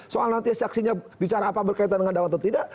soal nanti saksinya bicara apa berkaitan dengan dawan atau tidak